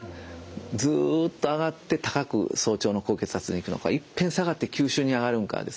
ずっと上がって高く早朝の高血圧に行くのか一遍下がって急しゅんに上がるのかですね。